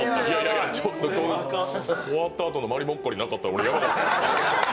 終わったあとのまりもっこりなかったら俺、やばかった。